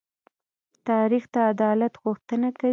تاریخ د عدالت غوښتنه کوي.